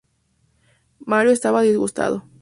Mario estaba disgustado.